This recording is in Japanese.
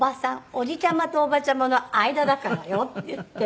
「おじちゃまとおばちゃまの間だからよ」って言って。